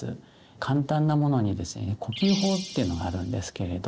簡単なものにですね呼吸法ってのがあるんですけれど。